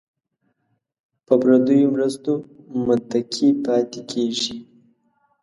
په پردیو مرستو متکي پاتې کیږي.